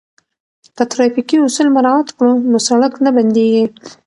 که ترافیکي اصول مراعات کړو نو سړک نه بندیږي.